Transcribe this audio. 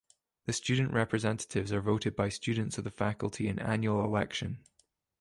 The student representatives are voted by students of the faculty in annual election.